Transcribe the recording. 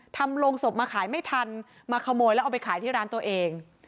โรงศพมาขายไม่ทันมาขโมยแล้วเอาไปขายที่ร้านตัวเอง